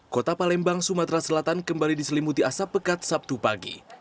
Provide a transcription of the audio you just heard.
kota palembang sumatera selatan kembali diselimuti asap pekat sabtu pagi